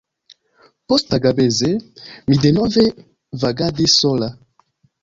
Posttagmeze mi denove vagadis sola.